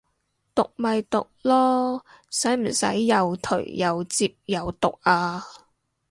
毒咪毒囉，使唔使又頹又摺又毒啊